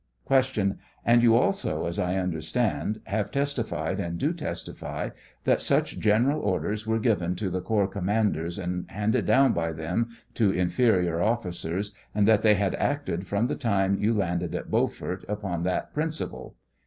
Q. And you also, as I understand, have testified, and do testify, that such general orders were given to the 'corps commanders, and handed down by them to infe rior officers, and that they had acted, from the time you landed at Beaufort, upon that principle